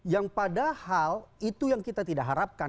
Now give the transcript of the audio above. yang padahal itu yang kita tidak harapkan